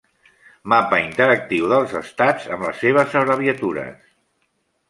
Mapa interactiu dels estats amb les seves abreviatures.